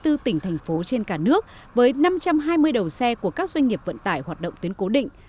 bến xe khách thành phố trên cả nước với năm trăm hai mươi đầu xe của các doanh nghiệp vận tải hoạt động tuyến cố định